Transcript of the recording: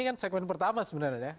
ini kan segmen pertama sebenarnya